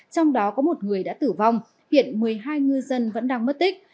trong đó có một người đã tử vong hiện một mươi hai ngư dân vẫn đang mất tích